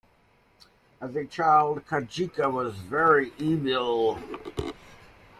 As a child, Kajika was very evil.